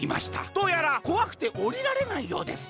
どうやらこわくておりられないようです。